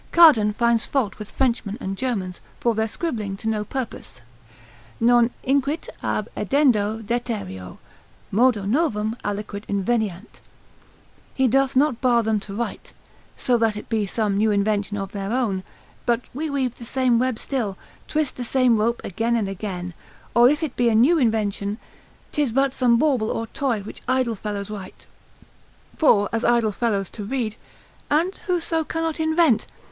Cardan finds fault with Frenchmen and Germans, for their scribbling to no purpose, non inquit ab edendo deterreo, modo novum aliquid inveniant, he doth not bar them to write, so that it be some new invention of their own; but we weave the same web still, twist the same rope again and again; or if it be a new invention, 'tis but some bauble or toy which idle fellows write, for as idle fellows to read, and who so cannot invent?